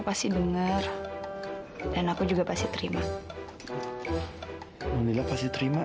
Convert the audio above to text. pasti dengar dan aku juga pasti terima alhamdulillah pasti terima